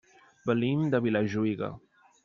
Venim de Vilajuïga.